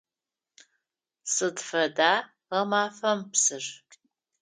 Сыд фэда гъэмафэм псыр?